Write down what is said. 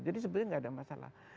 jadi sebenarnya gak ada masalah